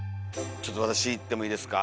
ちょっと私いってもいいですか。